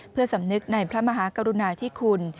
เพื่อสำนึกในพระมหากรุณาธิคุณ